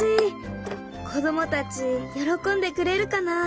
子どもたち喜んでくれるかな。